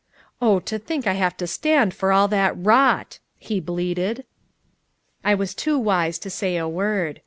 "Oh, to think I have to stand for all that rot!" he bleated. I was too wise to say a word.